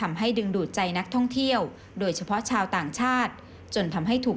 แม้ว่าพัทยาจะเป็นแหล่งท่องเที่ยวที่มีความประสงค์สารทั้งชีวิตคนกลางคืน